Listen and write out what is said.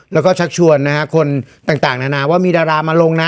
แล้วก็ชักชวนนะฮะคนต่างนานาว่ามีดารามาลงนะ